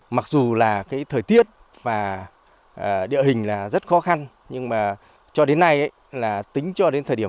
mặc dù là cái thời tiết và địa hình là rất khó khăn nhưng mà cho đến nay là tính cho đến thời điểm